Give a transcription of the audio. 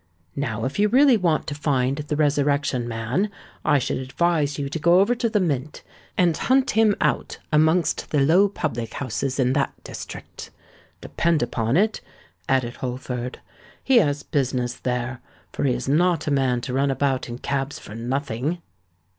Now if you really want to find the Resurrection Man, I should advise you to go over to the Mint, and hunt him out amongst the low public houses in that district. Depend upon it," added Holford, "he has business there; for he is not a man to run about in cabs for nothing."